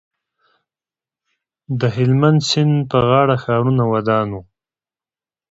د هلمند سیند په غاړه ښارونه ودان وو